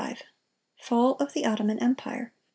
FALL OF THE OTTOMAN EMPIRE.